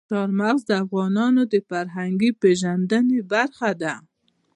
چار مغز د افغانانو د فرهنګي پیژندنې برخه ده.